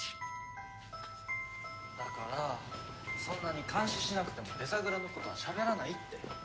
だからそんなに監視しなくてもデザグラのことはしゃべらないって。